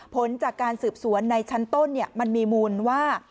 ผลจากการสืบสวนในชั้นต้นมันมีมูลว่า